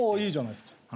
いいじゃないっすか。